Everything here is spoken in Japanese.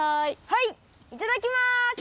はいいただきます！